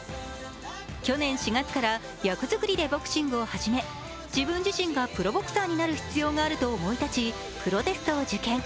去年４月から役作りでボクシングを始め自分自身がプロボクサーになる必要があると思い立ち、プロテストを受験。